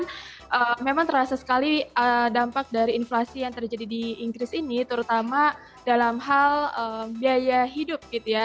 dan memang terasa sekali dampak dari inflasi yang terjadi di inggris ini terutama dalam hal biaya hidup gitu ya